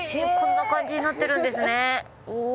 こんな感じになってるんですね。